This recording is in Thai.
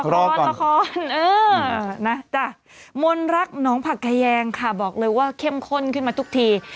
รอก่อนรอครเออโอ้เหนียะนะจ้ะมณรักน้องผักไกยแยงค่ะบอกเลยว่าเข้มข้นขึ้นมาทุกที